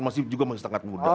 masih juga masih sangat muda